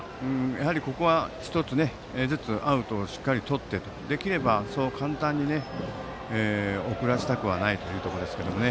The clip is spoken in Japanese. やはり、ここは１つずつアウトをしっかりとってできれば簡単に送らせたくはないところですね。